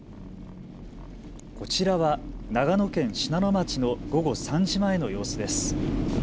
こちらは長野県信濃町の午後３時前の様子です。